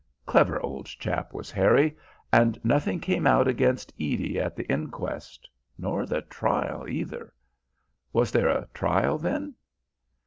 Clever old chap was Harry, and nothing came out against Edie at the inquest nor the trial either." "Was there a trial then?"